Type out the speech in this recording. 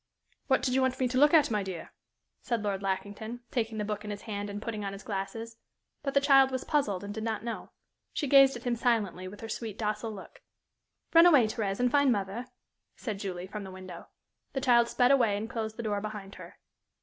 "What did you want me to look at, my dear?" said Lord Lackington, taking the book in his hand and putting on his glasses. But the child was puzzled and did not know. She gazed at him silently with her sweet, docile look. "Run away, Thérèse, and find mother," said Julie, from the window. The child sped away and closed the door behind her.